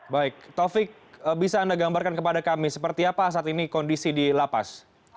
baik taufik bisa anda gambarkan kepada kami seperti apa saat ini kondisi di lapas